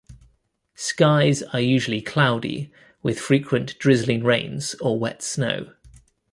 Skies are usually cloudy, with frequent drizzling rains or wet snow.